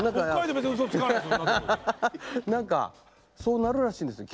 何かそうなるらしいんですよ